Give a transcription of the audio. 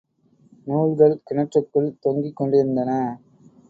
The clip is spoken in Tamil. நூல்கள் கிணற்றுக்குள் தொங்கிக் கொண்டிருந்தன.